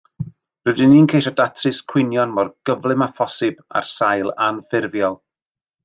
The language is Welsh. Rydyn ni'n ceisio datrys cwynion mor gyflym â phosib ar sail anffurfiol